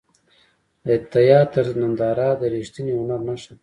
د تیاتر ننداره د ریښتیني هنر نښه ده.